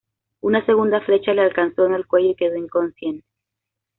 Una segunda flecha le alcanzó en el cuello y quedó inconsciente.